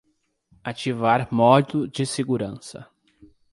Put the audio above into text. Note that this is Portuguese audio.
Ativar modo de segurança.